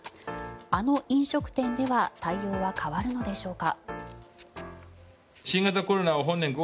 あの飲食店では対応は変わるのでしょうか。